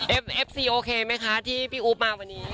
เอฟซีโอเคไหมคะที่พี่อุ๊บมาวันนี้